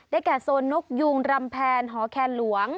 ได้แก่โซนนกยูงรำแผนหอแคลวง